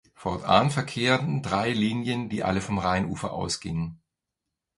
Fortan verkehrten drei Linien, die alle vom Rheinufer ausgingen.